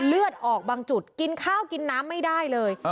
เลือดออกบางจุดกินข้าวกินน้ำไม่ได้เลย